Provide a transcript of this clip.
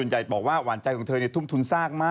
หวานใจของเธอมีทุ่มทุนธุม